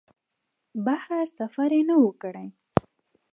بهر سفر یې نه و کړی.